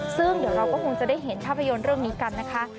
ซึ่งเดี๋ยวเราก็คงจะได้เห็นภาพยนตร์เรื่องนี้กันนะคะ